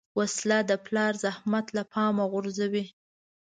وسله د پلار زحمت له پامه غورځوي